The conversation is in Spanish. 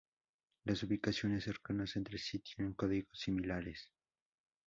Las ubicaciones cercanas entre sí tienen códigos similares.